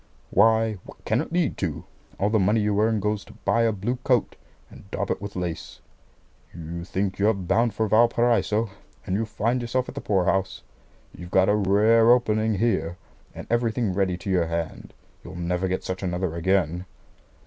"Why, what can it lead to? All the money you earn goes to buy a blue coat, and daub it with lace. You think you're bound for Valparaiso, and you find yourself at the poor house. You've got a rare opening here, and everything ready to your hand. You'll never get such another again."